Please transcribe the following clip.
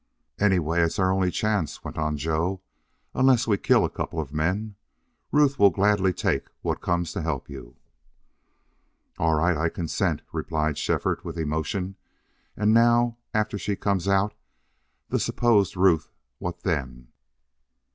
"Anyway, it's our only chance," went on Joe, "unless we kill a couple of men. Ruth will gladly take what comes to help you." "All right; I consent," replied Shefford, with emotion. "And now after she comes out the supposed Ruth what then?"